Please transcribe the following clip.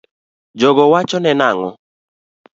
Jogo wachone nango ?